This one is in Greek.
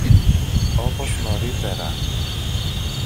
όπως νωρίτερα